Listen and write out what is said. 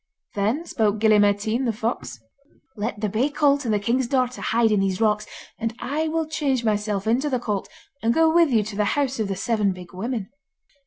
Then spoke Gille Mairtean the fox: 'Let the bay colt and the king's daughter hide in these rocks, and I will change myself into the colt, and go with you to the house of the Seven Big Women.